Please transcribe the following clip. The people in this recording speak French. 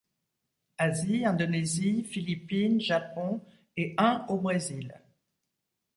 Asie, Indonésie, Philippines, Japon et un au Brésil.